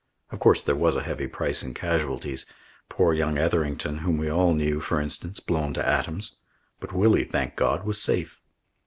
Of course there was a heavy price in casualties poor young Etherington, whom we all knew, for instance, blown to atoms but Willie, thank God! was safe.